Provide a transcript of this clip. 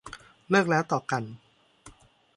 เลิกแล้วต่อกัน